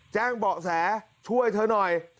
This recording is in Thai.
แจ้งเบาะแสช่วยเธอหน่อย